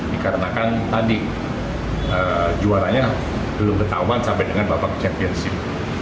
dikarenakan tadi juaranya belum ketahuan sampai dengan babak championship